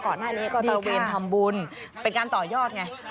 ก่อนหน้านี้ก็ตระเวนทำบุญเป็นการต่อยอดไง